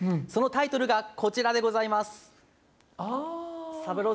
そのタイトルがこちらでございます。